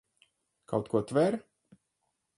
Kaut ko tver?